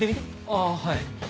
ああはい。